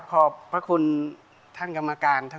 ช่วยฝังดินหรือกว่า